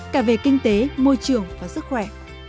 cả về kinh tế môi trường và sức khỏe